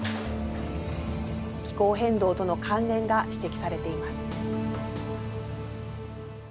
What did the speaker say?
気候変動との関連が指摘されています。